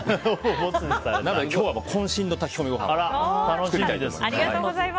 今日は渾身の炊き込みご飯を作りたいと思います。